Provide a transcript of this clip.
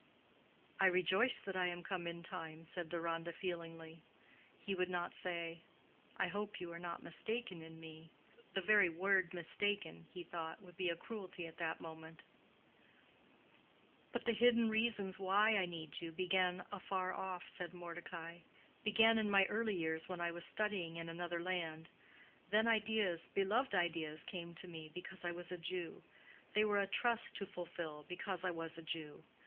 "I rejoice that I am come in time," said Deronda, feelingly. He would not say, "I hope you are not mistaken in me,"—the very word "mistaken," he thought, would be a cruelty at that moment. "But the hidden reasons why I need you began afar off," said Mordecai; "began in my early years when I was studying in another land. Then ideas, beloved ideas, came to me, because I was a Jew. They were a trust to fulfill, because I was a Jew.